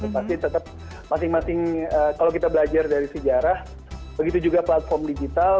pasti tetap masing masing kalau kita belajar dari sejarah begitu juga platform digital